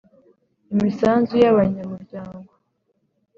Imisanzu y abanya muryango